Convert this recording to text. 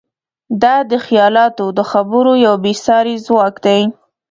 دا د خیالاتو د خبرو یو بېساری ځواک دی.